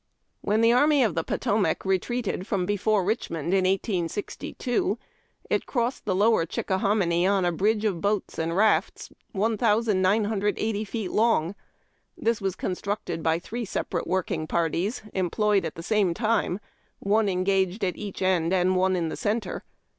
391 When the Army of tlie Potomac retreated from before Richmond in 1862 it crossed the knver Chickahominy on a bridge of boats and rafts 1980 feet long. This was con structed by three separate working parties, employed at the same time, one engaged at each end and one in the centre.